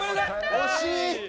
惜しい！